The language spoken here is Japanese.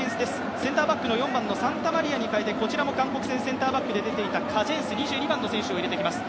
センターバックの４番のサンタマリアに代えてこちらも韓国戦センターバックで出ていたカジェンス２２番の選手を入れていきます